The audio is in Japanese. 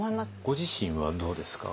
ご自身はどうですか？